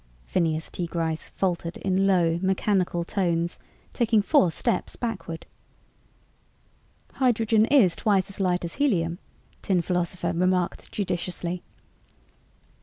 Phineas T. Gryce faltered in low mechanical tones, taking four steps backward. "Hydrogen is twice as light as helium," Tin Philosopher remarked judiciously.